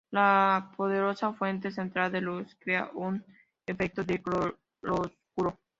La poderosa fuente central de luz crea un efecto de claroscuro.